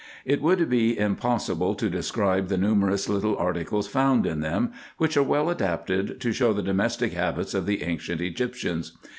It would be impossible to describe the numerous little articles found in them, which are well adapted to show the domestic habits of the ancient Egyptians.